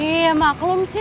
iya maklum sih